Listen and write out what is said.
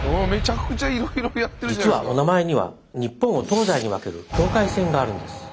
実はおなまえには日本を東西に分ける境界線があるんです。